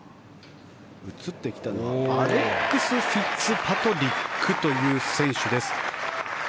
映ってきたのはアレックス・フィッツパトリックという選手です。